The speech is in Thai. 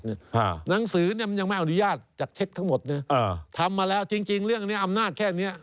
หนังสือมันยังไม่เอาอนุญาตจากเช็คทั้งหมดทำมาแล้วจริงเรื่องนี้อำนาจแค่นี้